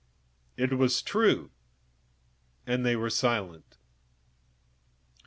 This was true enough; they were silent.